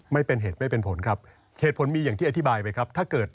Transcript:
ไม่เป็นเหตุไม่เป็นผลครับ